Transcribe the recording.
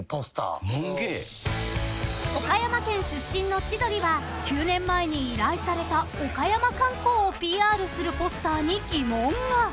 ［岡山県出身の千鳥は９年前に依頼された岡山観光をＰＲするポスターに疑問が］